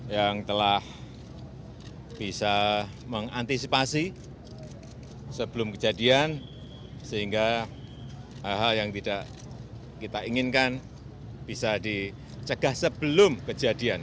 yang telah bisa mengantisipasi sebelum kejadian sehingga hal hal yang tidak kita inginkan bisa dicegah sebelum kejadian